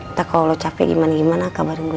ntar kalau lo capek gimana gimana kabar gue ya